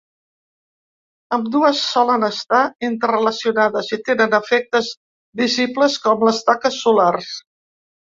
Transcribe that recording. Ambdues solen estar interrelacionades i tenen efectes visibles com les taques solars.